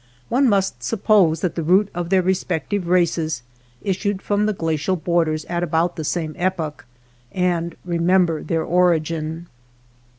One must suppose that the root of their respective races issued from the glacial borders at about the same epoch, and re member their origin.